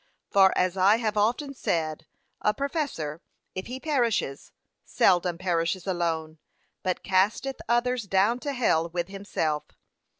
For as I have often said, a professor, if he perishes, seldom perishes alone, but casteth others down to hell with himself.